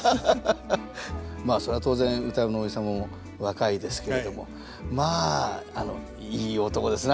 まあそれは当然歌右衛門のおじ様も若いですけれどもまあいい男ですね